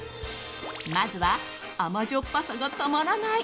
まずは甘じょっぱさがたまらない